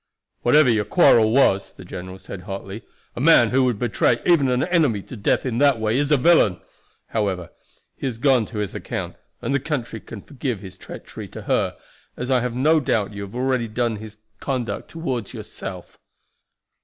"Whatever your quarrel was," the general said hotly, "a man who would betray even an enemy to death in that way is a villain. However, he has gone to his account, and the country can forgive his treachery to her, as I have no doubt you have already done his conduct toward yourself."